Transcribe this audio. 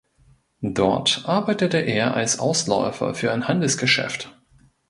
Dort arbeitete er als Ausläufer für ein Handelsgeschäft.